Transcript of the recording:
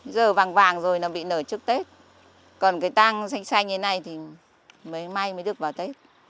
giờ vàng vàng rồi nó bị nở trước tết còn cái tang xanh xanh như thế này thì mới may mới được vào tết